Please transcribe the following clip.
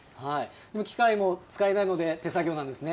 機械も使えないので、手作業なんですね。